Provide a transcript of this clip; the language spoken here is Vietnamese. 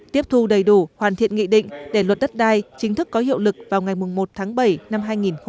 tiếp thu đầy đủ hoàn thiện nghị định để luật đất đai chính thức có hiệu lực vào ngày một tháng bảy năm hai nghìn hai mươi